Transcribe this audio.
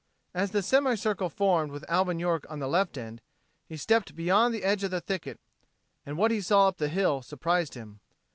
As the semicircle formed with Alvin York on the left end, he stepped beyond the edge of the thicket and what he saw up the hill surprized him.